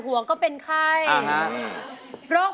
ครับมีแฟนเขาเรียกร้อง